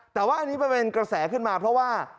แต่ว่าอันนี้มันเป็นกระแสขึ้นมาเพราะว่า